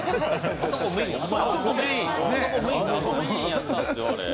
あそこメインやったんですよ、あれ。